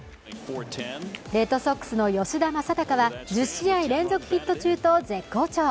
レッドソックスの吉田正尚は１０試合連続ヒット中と絶好調